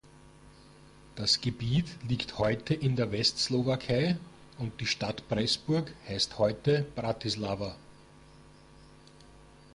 Das Gebiet liegt heute in der Westslowakei, und die Stadt Pressburg heißt heute Bratislava.